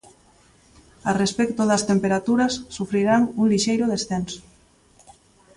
A respecto das temperaturas, sufrirán un lixeiro descenso.